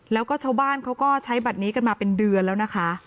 แล้วก็ชาวบ้านเขาก็ใช้บัตรนี้กันมาเป็นเดือนแล้วนะคะ